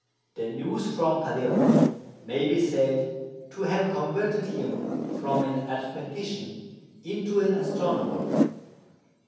The news from Palermo may be said to have converted him from an arithmetician into an astronomer.